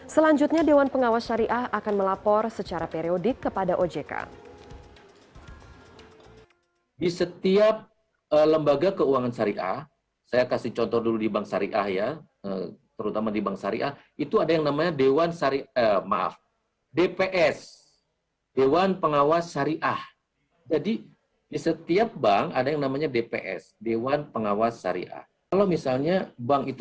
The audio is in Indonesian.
selanjutnya dewan pengawas syariah akan melapor secara periodik kepada ojk